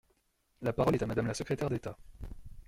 La parole est à Madame la secrétaire d’État.